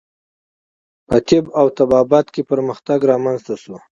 په طب او طبابت کې پرمختګ رامنځته شو.